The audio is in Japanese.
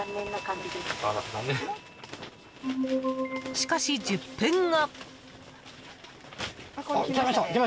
しかし、１０分後。